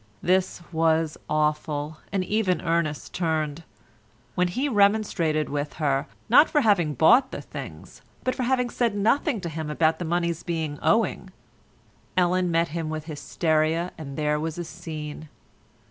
This was awful, and even Ernest turned. When he remonstrated with her—not for having bought the things, but for having said nothing to him about the moneys being owing—Ellen met him with hysteria and there was a scene.